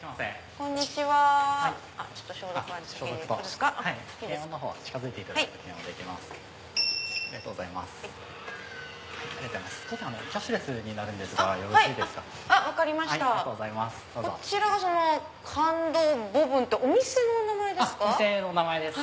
こちら感動ボブンってお店の名前ですか？